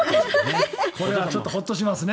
これはちょっとホッとしますね。